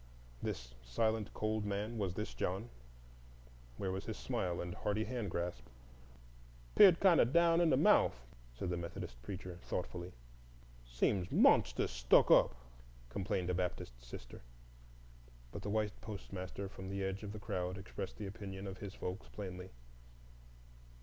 This silent, cold man,—was this John? Where was his smile and hearty hand grasp? "'Peared kind o' down in the mouf," said the Methodist preacher thoughtfully. "Seemed monstus stuck up," complained a Baptist sister. But the white postmaster from the edge of the crowd expressed the opinion of his folks plainly.